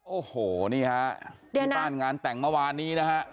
โอ้โหนี่ครับที่ต้านงานแต่งเมื่อวานนี้นะครับ